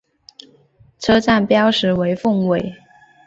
车站标识为凤尾。